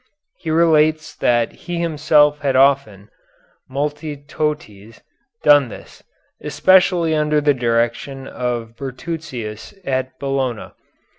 He relates that he himself had often, multitoties, done this, especially under the direction of Bertruccius at Bologna.